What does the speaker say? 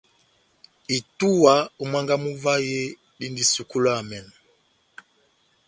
Itúwa ó mwángá mú vahe dindi sukulu ya emɛnɔ.